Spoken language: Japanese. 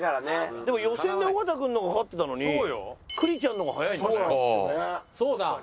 でも予選で尾形君の方が勝ってたのに栗ちゃんの方が速いんだね。